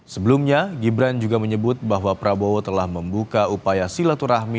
sebelumnya gibran juga menyebut bahwa prabowo telah membuka upaya silaturahmi